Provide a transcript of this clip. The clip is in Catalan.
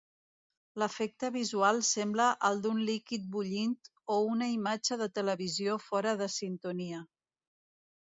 L'efecte visual sembla el d'un líquid bullint o una imatge de televisió fora de sintonia.